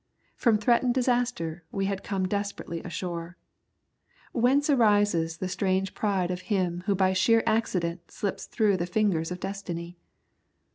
From threatened disaster we had come desperately ashore. Whence arises the strange pride of him who by sheer accident slips through the fingers of Destiny?